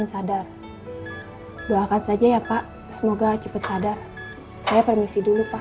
sadar doakan saja ya pak semoga cepat sadar saya permisi dulu pak